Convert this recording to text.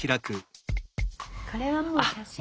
これはもう「写真」って。